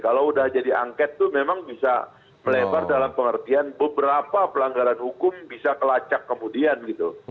kalau udah jadi angket itu memang bisa melebar dalam pengertian beberapa pelanggaran hukum bisa kelacak kemudian gitu